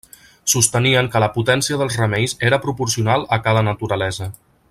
Sostenien que la potència dels remeis era proporcional a cada naturalesa.